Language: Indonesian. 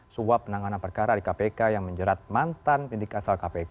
suap penanganan perkara di kpk yang menjerat mantan pendik asal kpk